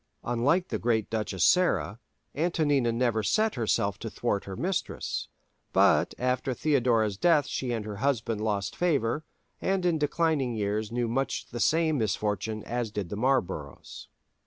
Unlike the great Duchess Sarah, Antonina never set herself to thwart her mistress; but after Theodora's death she and her husband lost favour, and in declining years knew much the same misfortune as did the Marlboroughs.